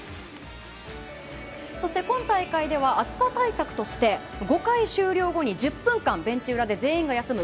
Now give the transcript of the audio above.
そして今大会では暑さ対策として５回終了後に１０分間ベンチ裏で全員が休む